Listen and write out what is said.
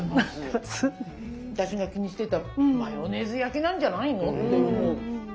私が気にしてたマヨネーズ焼きなんじゃないの？っていう。